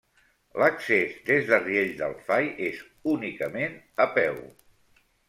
L'accés des de Riells del Fai és únicament a peu.